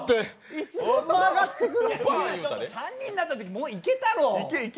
３人になったときもういけたろ？